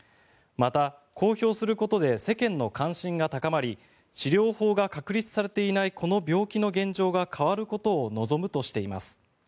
また、公表することで世間の関心が高まり治療法が確立されていないこの病気の現状が変わることを望むとしています。